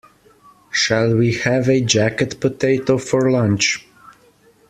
Shall we have a jacket potato for lunch?